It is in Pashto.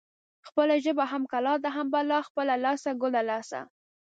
خپله ژبه هم کلا ده هم بلا. خپله لاسه ګله لاسه.